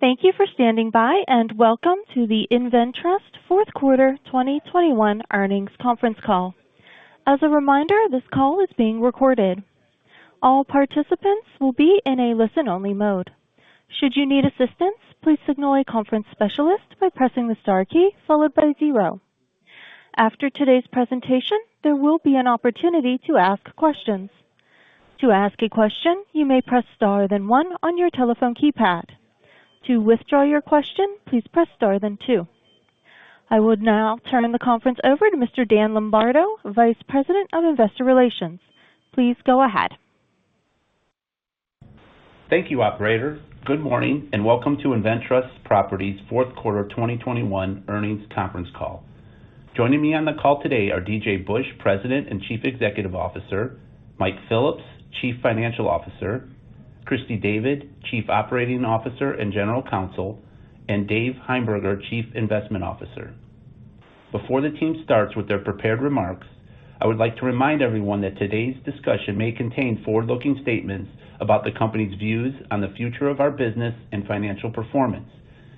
Thank you for standing by, and welcome to the InvenTrust fourth quarter 2021 earnings conference call. As a reminder, this call is being recorded. All participants will be in a listen-only mode. Should you need assistance, please signal a conference specialist by pressing the star key followed by zero. After today's presentation, there will be an opportunity to ask questions. To ask a question, you may press star then one on your telephone keypad. To withdraw your question, please press star then two. I would now turn the conference over to Mr. Dan Lombardo, Vice President of Investor Relations. Please go ahead. Thank you, operator. Good morning, and welcome to InvenTrust Properties fourth quarter of 2021 earnings conference call. Joining me on the call today are DJ Busch, President and Chief Executive Officer, Mike Phillips, Chief Financial Officer, Christy David, Chief Operating Officer and General Counsel, and Dave Heimberger, Chief Investment Officer. Before the team starts with their prepared remarks, I would like to remind everyone that today's discussion may contain forward-looking statements about the company's views on the future of our business and financial performance,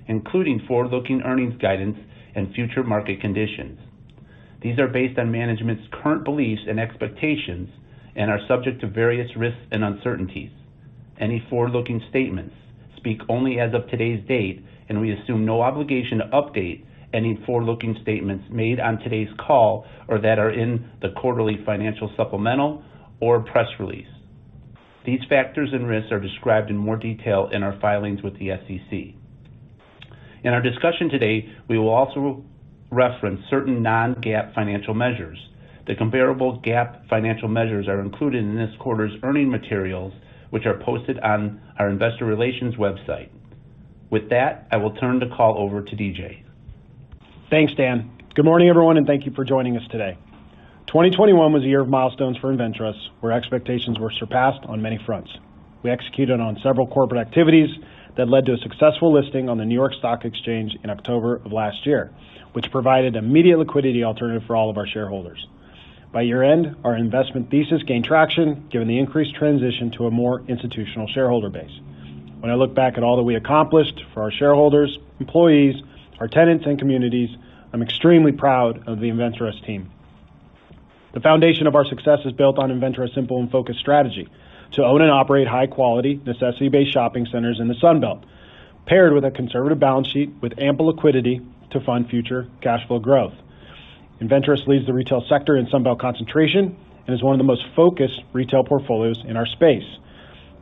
including forward-looking earnings guidance and future market conditions. These are based on management's current beliefs and expectations and are subject to various risks and uncertainties. Any forward-looking statements speak only as of today's date, and we assume no obligation to update any forward-looking statements made on today's call or that are in the quarterly financial supplemental or press release. These factors and risks are described in more detail in our filings with the SEC. In our discussion today, we will also reference certain non-GAAP financial measures. The comparable GAAP financial measures are included in this quarter's earnings materials, which are posted on our investor relations website. With that, I will turn the call over to DJ. Thanks, Dan. Good morning, everyone, and thank you for joining us today. 2021 was a year of milestones for InvenTrust, where expectations were surpassed on many fronts. We executed on several corporate activities that led to a successful listing on the New York Stock Exchange in October of last year, which provided immediate liquidity alternative for all of our shareholders. By year-end, our investment thesis gained traction, given the increased transition to a more institutional shareholder base. When I look back at all that we accomplished for our shareholders, employees, our tenants, and communities, I'm extremely proud of the InvenTrust team. The foundation of our success is built on InvenTrust's simple and focused strategy to own and operate high quality, necessity-based shopping centers in the Sun Belt, paired with a conservative balance sheet with ample liquidity to fund future cash flow growth. InvenTrust leads the retail sector in Sun Belt concentration and is one of the most focused retail portfolios in our space.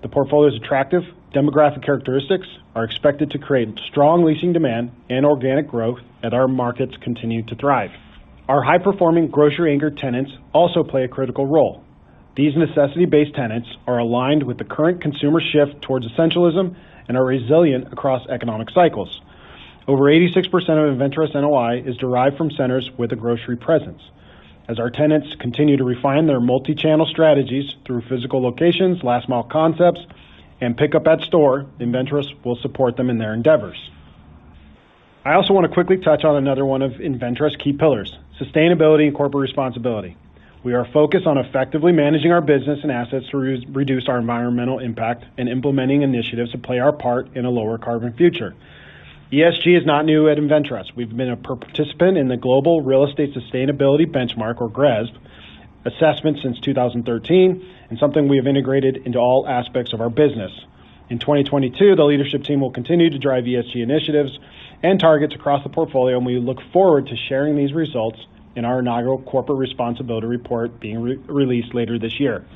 The portfolio's attractive demographic characteristics are expected to create strong leasing demand and organic growth that our markets continue to thrive. Our high-performing grocery anchor tenants also play a critical role. These necessity-based tenants are aligned with the current consumer shift towards essentialism and are resilient across economic cycles. Over 86% of InvenTrust NOI is derived from centers with a grocery presence. As our tenants continue to refine their multi-channel strategies through physical locations, last mile concepts, and pickup at store, InvenTrust will support them in their endeavors. I also wanna quickly touch on another one of InvenTrust key pillars, sustainability and corporate responsibility. We are focused on effectively managing our business and assets to reduce our environmental impact and implementing initiatives to play our part in a lower carbon future. ESG is not new at InvenTrust. We've been a participant in the Global Real Estate Sustainability Benchmark or GRESB assessment since 2013 and something we have integrated into all aspects of our business. In 2022, the leadership team will continue to drive ESG initiatives and targets across the portfolio, and we look forward to sharing these results in our inaugural corporate responsibility report being released later this year.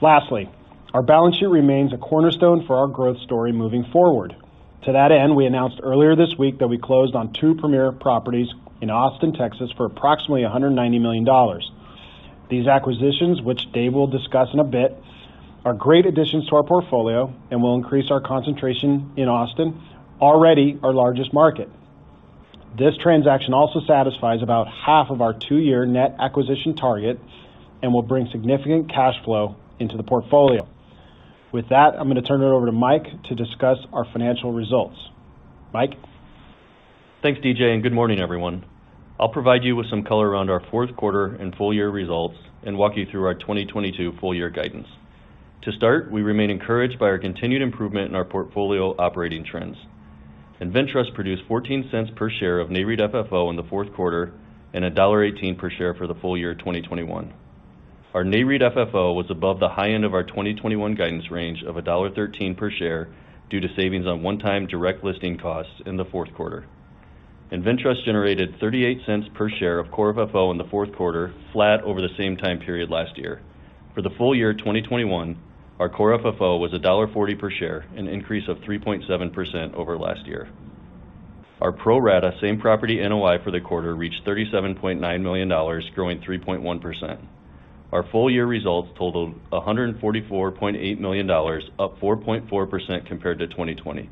Lastly, our balance sheet remains a cornerstone for our growth story moving forward. To that end, we announced earlier this week that we closed on two premier properties in Austin, Texas for approximately $190 million. These acquisitions, which Dave will discuss in a bit, are great additions to our portfolio and will increase our concentration in Austin, already our largest market. This transaction also satisfies about half of our two-year net acquisition target and will bring significant cash flow into the portfolio. With that, I'm gonna turn it over to Mike to discuss our financial results. Mike? Thanks, DJ, and good morning, everyone. I'll provide you with some color around our fourth quarter and full year results and walk you through our 2022 full year guidance. To start, we remain encouraged by our continued improvement in our portfolio operating trends. InvenTrust produced $0.14 per share of NAREIT FFO in the fourth quarter and $1.18 per share for the full year of 2021. Our NAREIT FFO was above the high end of our 2021 guidance range of $1.13 per share due to savings on one-time direct listing costs in the fourth quarter. InvenTrust generated $0.38 per share of core FFO in the fourth quarter, flat over the same time period last year. For the full year of 2021, our core FFO was $1.40 per share, an increase of 3.7% over last year. Our pro rata same property NOI for the quarter reached $37.9 million, growing 3.1%. Our full year results totaled $144.8 million, up 4.4% compared to 2020.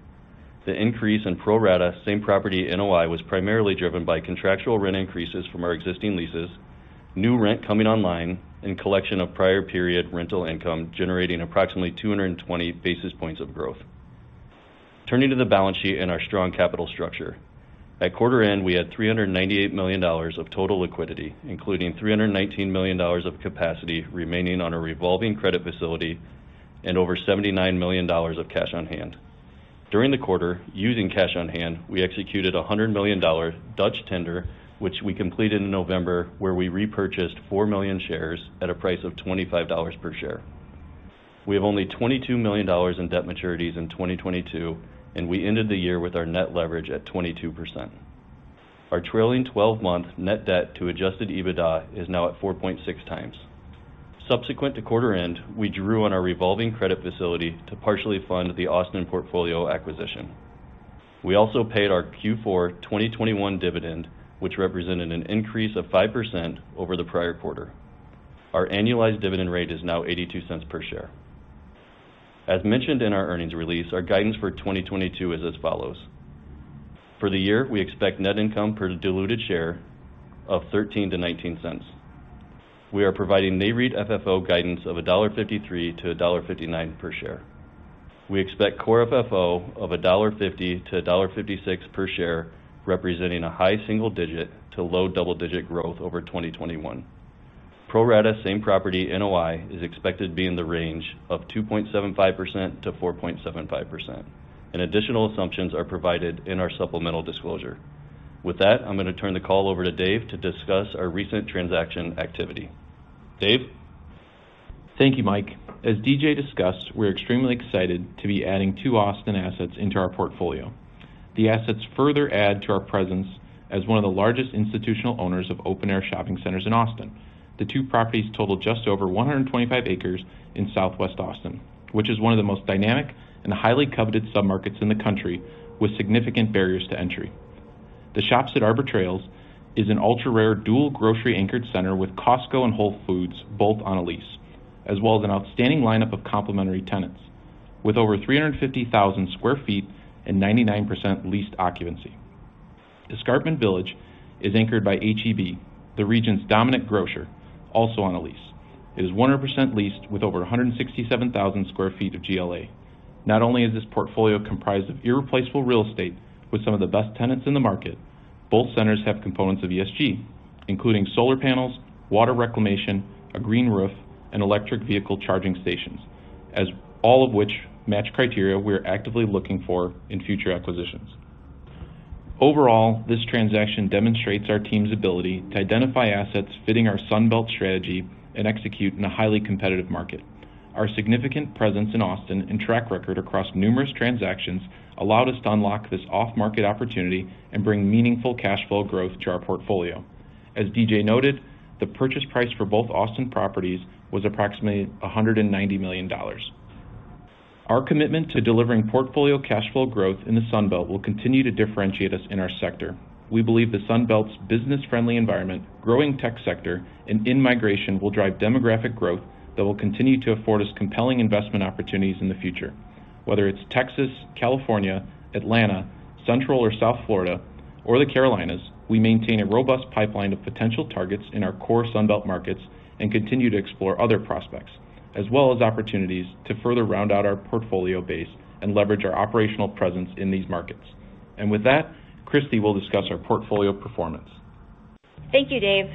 The increase in pro rata same property NOI was primarily driven by contractual rent increases from our existing leases, new rent coming online, and collection of prior period rental income, generating approximately 220 basis points of growth. Turning to the balance sheet and our strong capital structure. At quarter end, we had $398 million of total liquidity, including $319 million of capacity remaining on a revolving credit facility and over $79 million of cash on hand. During the quarter, using cash on hand, we executed a $100 million Dutch tender, which we completed in November, where we repurchased 4 million shares at a price of $25 per share. We have only $22 million in debt maturities in 2022, and we ended the year with our net leverage at 22%. Our trailing 12 month net debt to adjusted EBITDA is now at 4.6x. Subsequent to quarter end, we drew on our revolving credit facility to partially fund the Austin portfolio acquisition. We also paid our Q4 2021 dividend, which represented an increase of 5% over the prior quarter. Our annualized dividend rate is now $0.82 per share. As mentioned in our earnings release, our guidance for 2022 is as follows. For the year, we expect net income per diluted share of $0.13-$0.19. We are providing NAREIT FFO guidance of $1.53-$1.59 per share. We expect core FFO of $1.50-$1.56 per share, representing high single-digit to low double-digit growth over 2021. Pro rata same-property NOI is expected to be in the range of 2.75%-4.75%, and additional assumptions are provided in our supplemental disclosure. With that, I'm going to turn the call over to Dave to discuss our recent transaction activity. Dave? Thank you, Mike. As DJ discussed, we're extremely excited to be adding two Austin assets into our portfolio. The assets further add to our presence as one of the largest institutional owners of open-air shopping centers in Austin. The two properties total just over 125 acres in Southwest Austin, which is one of the most dynamic and highly coveted submarkets in the country with significant barriers to entry. The Shops at Arbor Trails is an ultra-rare dual grocery anchored center with Costco and Whole Foods both on a lease, as well as an outstanding lineup of complementary tenants with over 350,000 sq ft and 99% leased occupancy. Escarpment Village is anchored by H-E-B, the region's dominant grocer, also on a lease. It is 100% leased with over 167,000 sq ft of GLA. Not only is this portfolio comprised of irreplaceable real estate with some of the best tenants in the market, both centers have components of ESG, including solar panels, water reclamation, a green roof, and electric vehicle charging stations, all of which match criteria we are actively looking for in future acquisitions. Overall, this transaction demonstrates our team's ability to identify assets fitting our Sun Belt strategy and execute in a highly competitive market. Our significant presence in Austin and track record across numerous transactions allowed us to unlock this off-market opportunity and bring meaningful cash flow growth to our portfolio. As DJ noted, the purchase price for both Austin properties was approximately $190 million. Our commitment to delivering portfolio cash flow growth in the Sun Belt will continue to differentiate us in our sector. We believe the Sun Belt's business-friendly environment, growing tech sector, and in-migration will drive demographic growth that will continue to afford us compelling investment opportunities in the future. Whether it's Texas, California, Atlanta, Central or South Florida, or the Carolinas, we maintain a robust pipeline of potential targets in our core Sun Belt markets and continue to explore other prospects, as well as opportunities to further round out our portfolio base and leverage our operational presence in these markets. With that, Christy will discuss our portfolio performance. Thank you, Dave.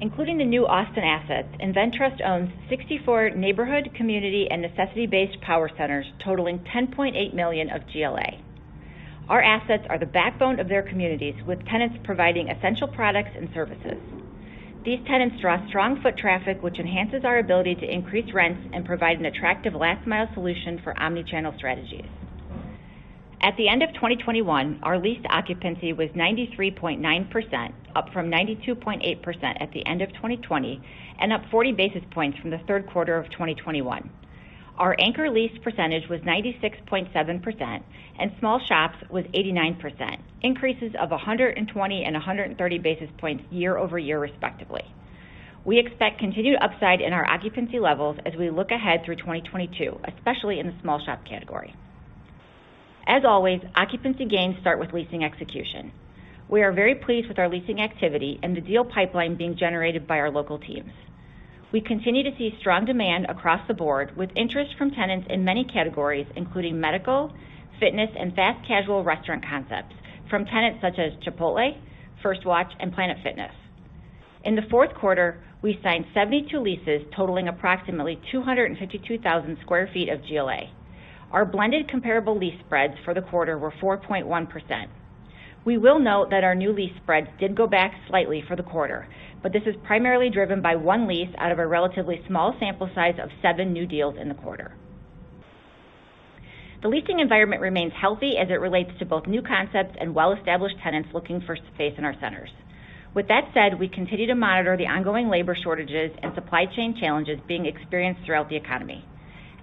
Including the new Austin assets, InvenTrust owns 64 neighborhood, community, and necessity-based power centers, totaling 10.8 million of GLA. Our assets are the backbone of their communities, with tenants providing essential products and services. These tenants draw strong foot traffic, which enhances our ability to increase rents and provide an attractive last mile solution for omni-channel strategies. At the end of 2021, our leased occupancy was 93.9%, up from 92.8% at the end of 2020, and up 40 basis points from the third quarter of 2021. Our anchor lease percentage was 96.7% and small shops was 89%, increases of 120 and 130 basis points year-over-year respectively. We expect continued upside in our occupancy levels as we look ahead through 2022, especially in the small shop category. As always, occupancy gains start with leasing execution. We are very pleased with our leasing activity and the deal pipeline being generated by our local teams. We continue to see strong demand across the board with interest from tenants in many categories, including medical, fitness, and fast casual restaurant concepts from tenants such as Chipotle, First Watch, and Planet Fitness. In the fourth quarter, we signed 72 leases totaling approximately 252,000 sq ft of GLA. Our blended comparable lease spreads for the quarter were 4.1%. We will note that our new lease spreads did go back slightly for the quarter, but this is primarily driven by one lease out of a relatively small sample size of seven new deals in the quarter. The leasing environment remains healthy as it relates to both new concepts and well-established tenants looking for space in our centers. With that said, we continue to monitor the ongoing labor shortages and supply chain challenges being experienced throughout the economy.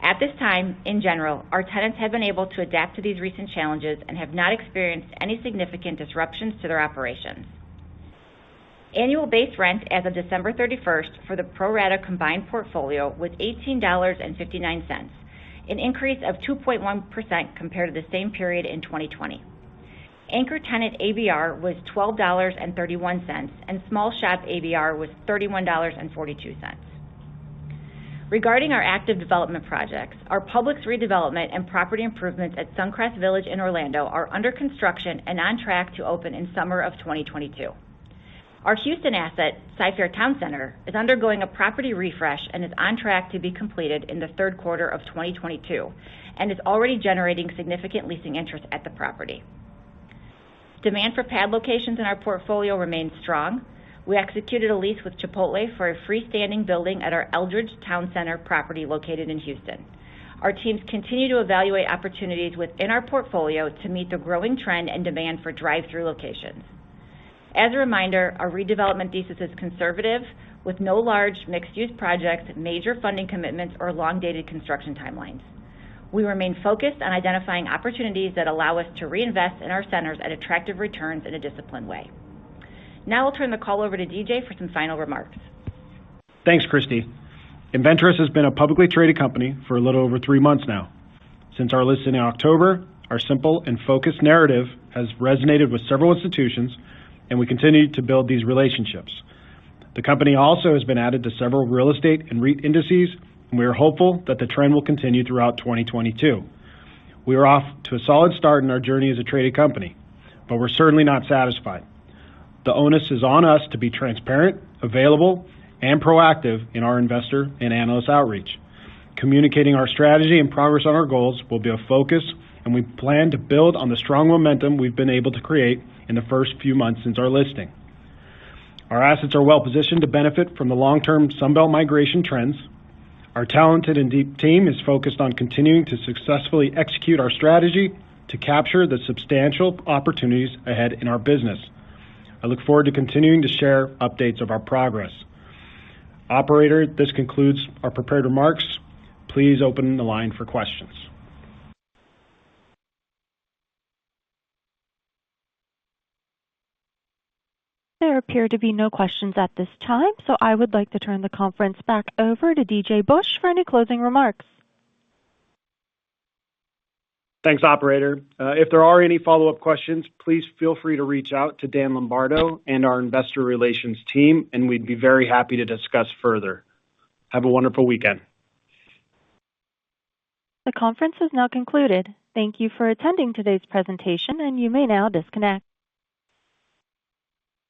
At this time, in general, our tenants have been able to adapt to these recent challenges and have not experienced any significant disruptions to their operations. Annual base rent as of December 31st for the pro rata combined portfolio was $18.59, an increase of 2.1% compared to the same period in 2020. Anchor tenant ABR was $12.31, and small shop ABR was $31.42. Regarding our active development projects, our public redevelopment and property improvements at Suncrest Village in Orlando are under construction and on track to open in summer of 2022. Our Houston asset, Cyfair Town Center, is undergoing a property refresh and is on track to be completed in the third quarter of 2022 and is already generating significant leasing interest at the property. Demand for pad locations in our portfolio remains strong. We executed a lease with Chipotle for a freestanding building at our Eldridge Town Center property located in Houston. Our teams continue to evaluate opportunities within our portfolio to meet the growing trend and demand for drive-thru locations. As a reminder, our redevelopment thesis is conservative with no large mixed-use projects, major funding commitments or long dated construction timelines. We remain focused on identifying opportunities that allow us to reinvest in our centers at attractive returns in a disciplined way. Now I'll turn the call over to DJ for some final remarks. Thanks, Christy. InvenTrust has been a publicly traded company for a little over three months now. Since our listing in October, our simple and focused narrative has resonated with several institutions, and we continue to build these relationships. The company also has been added to several real estate and REIT indices, and we are hopeful that the trend will continue throughout 2022. We are off to a solid start in our journey as a traded company, but we're certainly not satisfied. The onus is on us to be transparent, available, and proactive in our investor and analyst outreach. Communicating our strategy and progress on our goals will be a focus, and we plan to build on the strong momentum we've been able to create in the first few months since our listing. Our assets are well positioned to benefit from the long-term Sun Belt migration trends. Our talented and deep team is focused on continuing to successfully execute our strategy to capture the substantial opportunities ahead in our business. I look forward to continuing to share updates of our progress. Operator, this concludes our prepared remarks. Please open the line for questions. There appear to be no questions at this time, so I would like to turn the conference back over to DJ Busch for any closing remarks. Thanks, operator. If there are any follow-up questions, please feel free to reach out to Dan Lombardo and our investor relations team, and we'd be very happy to discuss further. Have a wonderful weekend. The conference is now concluded. Thank you for attending today's presentation, and you may now disconnect.